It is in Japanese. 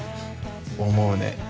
思うね。